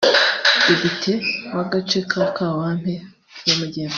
depite w’agace ka Kawempe y’amajyepfo